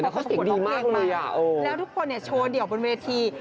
เขาสิ่งดีมากเลยนะโอ้โฮแล้วทุกคนเนี่ยโชว์เดี่ยวบนเวที